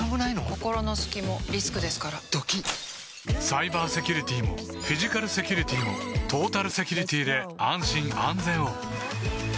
心の隙もリスクですからドキッサイバーセキュリティもフィジカルセキュリティもトータルセキュリティで安心・安全を